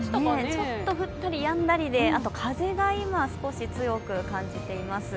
ちょっと降ったりやんだりで、あと風が今、少し強く感じています。